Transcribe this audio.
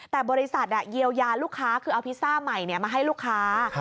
แต่บริษัทเยียวยาลูกค้าคือเอาพิซซ่าใหม่มาให้ลูกค้า